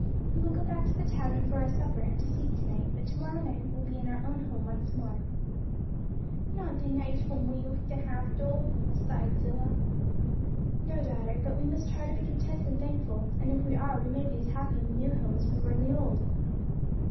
We will go back to the tavern for our supper and to sleep to night; but to morrow night we will be in our own home once more." "Not the nice home we used to have, though!" sighed Zillah. "No, daughter; but we must try to be content and thankful; and if we are, we may be as happy in the new home as we were in the old."